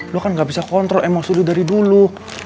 lo kan gak bisa kontrol emosi dari dulu